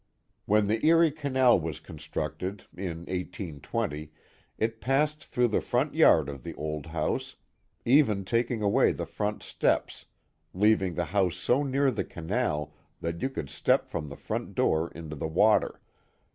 When the Erie Canal was constructed, in 1820, it passed through the front yard of the old house, even taking away the front steps, leaving the house so near the canal that you could step from the front door into the water.